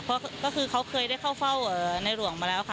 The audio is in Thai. ก็คือเขาเคยได้เข้าเฝ้าในหลวงมาแล้วค่ะ